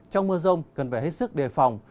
trong mưa rông cần phải hết sức đề phòng